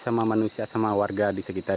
sama manusia sama warga di sekitar